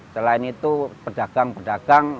selain itu pedagang pedagang